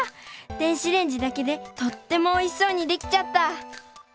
電子レンジだけでとってもおいしそうにできちゃった！